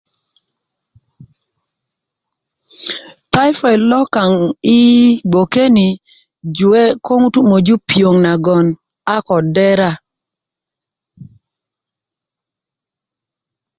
tayipot kaŋ yi gboke ni juwe' ko ŋutu' möju piyoŋ nagon a ko dera